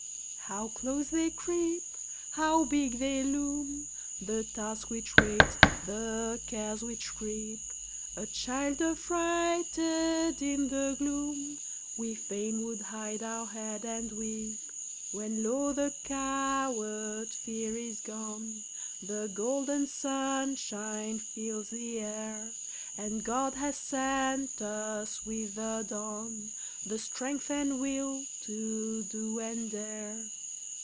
How close they creep! How big they loom! The Task which waits, the Cares which creep; A child, affrighted in the gloom, We fain would hide our head and weep. When, lo! the coward fear is gone The golden sunshine fills the air, And God has sent us with the dawn The strength and will to do and dare.